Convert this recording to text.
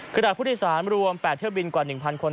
ขณะผู้โดยสารรวม๘เที่ยวบินกว่า๑๐๐คน